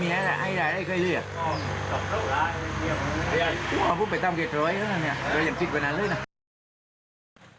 ก็เอาไปตามเกดเถอะนั่นแหละนะเสียงสิทธิ์ไปนั้นเลยนะ